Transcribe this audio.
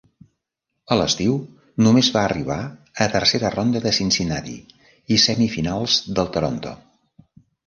A l'estiu només va arribar a tercera ronda de Cincinnati i semifinals del Toronto.